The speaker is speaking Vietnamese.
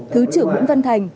thứ trưởng nguyễn văn thành